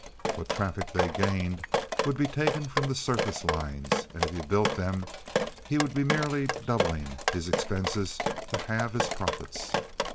What traffic they gained would be taken from the surface lines, and if he built them he would be merely doubling his expenses to halve his profits.